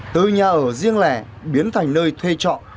từ nhà ở riêng lẻ biến thành nơi thuê trọ